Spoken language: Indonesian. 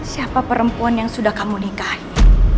siapa perempuan yang sudah kamu nikahi